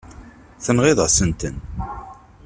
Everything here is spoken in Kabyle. Tenɣiḍ-asent-ten.